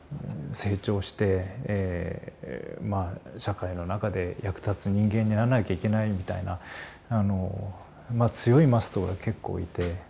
成長してまあ社会の中で役立つ人間にならなきゃいけないみたいな強い「ｍｕｓｔ」が結構いて。